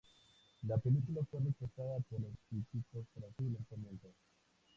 La película fue rechazada por los críticos tras su lanzamiento.